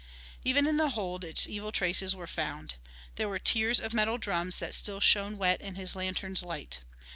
Even in the hold its evil traces were found. There were tiers of metal drums that still shone wet in his lantern's light.